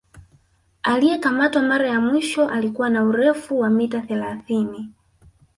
Aliyekamatwa mara ya mwisho alikuwa na urefu wa mita thelathini